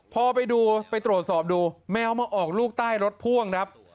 พอไปดูไปตรวจสอบดูแมวมาออกลูกใต้รถพ่วงครับ